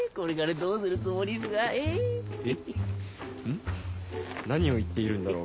ん？何を言っているんだろう？